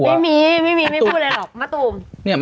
ไม่มีไม่พูดอะไรหรอกไอ้มะตุม